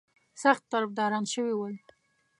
سخت طرفداران شوي ول.